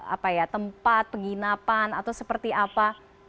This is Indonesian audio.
apa ya tempat penginapan atau seperti apa